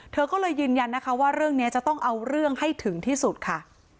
เธอก็เลยยืนยันนะคะว่าเรื่องนี้จะต้องเอาเรื่องให้ถึงที่สุดค่ะ